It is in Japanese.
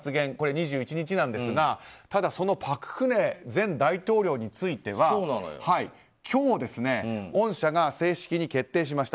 ２１日なんですがただ、その朴槿惠前大統領については今日、恩赦が正式に決定しました。